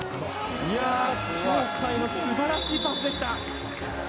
鳥海のすばらしいパスでした。